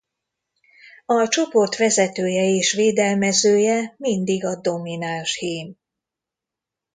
A csoport vezetője és védelmezője mindig a domináns hím.